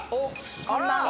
こんばんは。